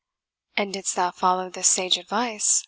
"And didst thou follow this sage advice?"